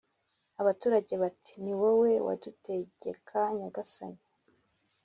abaturage Bati: "Ni wowe wadutegeka Nyagasani"